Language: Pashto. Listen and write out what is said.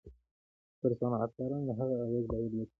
پر صنعتکارانو د هغه اغېز بايد و څېړو.